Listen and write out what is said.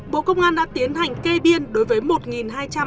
bộ công an đã tiến hành kê biên đối với